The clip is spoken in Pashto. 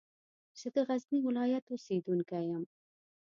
زه د غزني ولایت اوسېدونکی یم.